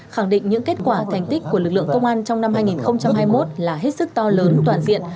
khẳng định những kết quả thành tích của lực lượng công an trong năm hai nghìn hai mươi một là hết sức to lớn toàn diện